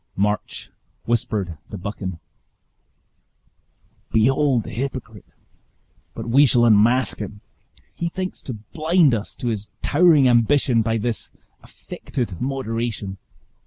March whispered to Buchan, "Behold the hypocrite! But we shall unmask him. He thinks to blind us to his towering ambition, by this affected moderation.